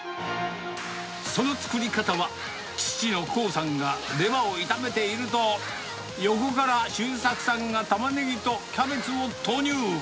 その作り方は、父の興さんがレバーを炒めていると、横から周作さんがタマネギとキャベツを投入。